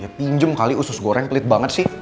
pinjem kali usus goreng pelit banget sih